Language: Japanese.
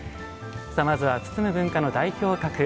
まずは、包む文化の代表格